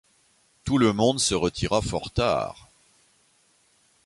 Tout le monde se retira fort tard.